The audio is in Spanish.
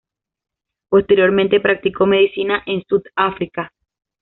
Posteriormente, practicó medicina en Sud África.